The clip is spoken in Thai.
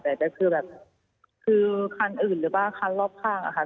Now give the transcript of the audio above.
แต่ก็คือแบบคือคันอื่นหรือว่าคันรอบข้างอะค่ะ